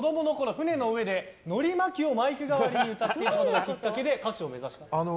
船の上でのり巻きをマイク代わりに歌っていたことがきっかけで歌手を目指した。